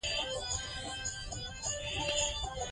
لوستې میندې د ماشوم د ناروغۍ مخنیوی کوي.